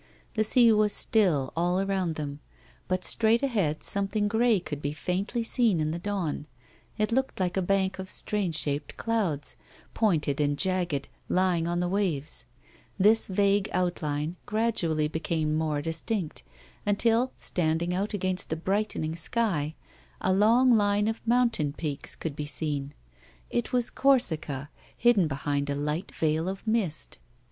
The sea was still all around them, but straight ahead some thing grey could be faintly seen in the dawn ; it loolced like a bank of strange shaped clouds, pointed and jagged, lying on the waves. This vague outline gradually became more distinct, until, standing out against the brightening sky, a long line of mountain peaks could be seen. It was Corsica, hidden behind a light veilof mist.